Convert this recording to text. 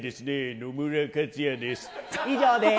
野村克也です。